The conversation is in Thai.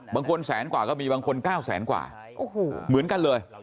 บางคนแสนกว่าก็มีบางคน๙แสนกว่าเหมือนกันเลย